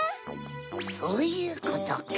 そういうことか！